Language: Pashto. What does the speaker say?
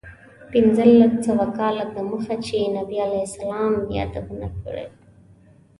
پنځلس سوه کاله دمخه چې نبي علیه السلام یادونه کړې.